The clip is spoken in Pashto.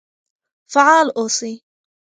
فعال اوسئ.